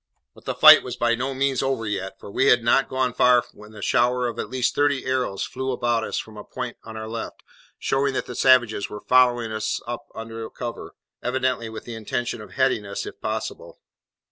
But the fight was by no means over yet, for we had not gone far when a shower of at least thirty arrows flew about us from a point on our left, showing that the savages were following us up under cover, evidently with the intention of heading us, if possible.